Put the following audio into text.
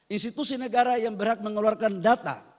institusi negara yang berhak mengeluarkan data